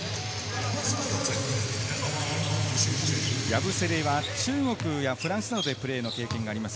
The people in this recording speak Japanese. ヤブセレは中国やフランスなどでプレーの経験があります。